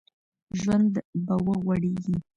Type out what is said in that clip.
ژوند به وغوړېږي